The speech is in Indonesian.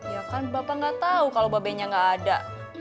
ya kan bapak enggak tahu kalau bapak be nya enggak ada